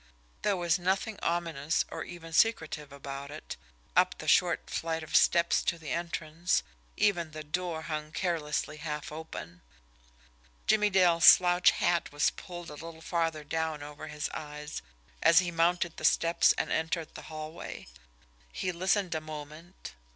There was nothing ominous or even secretive about it up the short flight of steps to the entrance, even the door hung carelessly half open. Jimmie Dale's slouch hat was pulled a little farther down over his eyes as he mounted the steps and entered the hallway. He listened a moment.